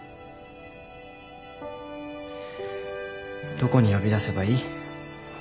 どこに呼び出せばいい？